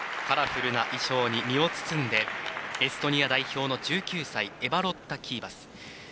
カラフルな衣装に身を包んでエストニア代表の１９歳エバロッタ・キーバス。